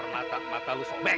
pernatah mata lu sobek